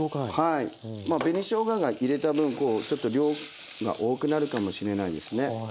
紅しょうがが入れた分ちょっと量が多くなるかもしれないですね。